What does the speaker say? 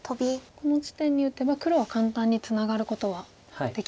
この地点に打てば黒は簡単にツナがることはできないですか。